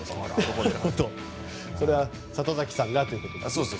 それは里崎さんがということですね。